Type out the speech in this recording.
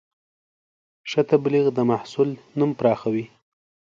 ښه تبلیغ د محصول نوم پراخوي.